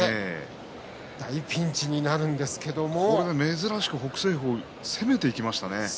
土俵際、珍しく北青鵬攻めていきましたね